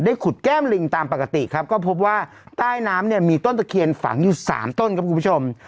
ขุดแก้มลิงตามปกติครับก็พบว่าใต้น้ำเนี่ยมีต้นตะเคียนฝังอยู่สามต้นครับคุณผู้ชม